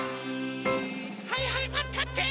はいはいマンたって！